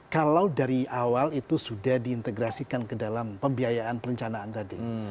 kalau dari awal itu sudah diintegrasikan ke dalam pembiayaan perencanaan tadi